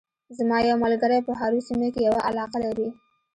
زما یو ملګری په هارو سیمه کې یوه علاقه لري